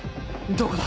どこだ？